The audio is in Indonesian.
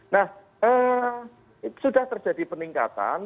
nah sudah terjadi peningkatan